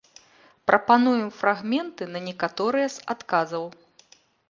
Прапануем фрагменты на некаторыя з адказаў.